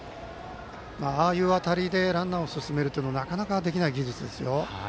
ああいう当たりでランナーを進めるのはなかなかできない技術ですよ。